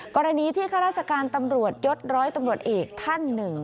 กรณีที่ข้าราชการตำรวจยศร้อยตำรวจเอกท่านหนึ่ง